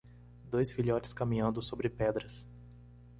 Dois filhotes caminhando sobre pedras.